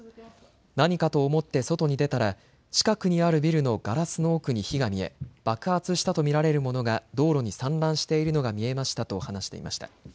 何かと思って外に出たら近くにあるビルのガラスの奥に火が見え爆発したと見られるものが道路に散乱しているのが見えましたと話していました。